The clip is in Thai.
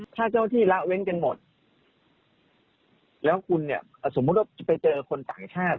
ถ้าเจ้าที่ละเว้นกันหมดแล้วคุณเนี่ยสมมุติว่าจะไปเจอคนต่างชาติ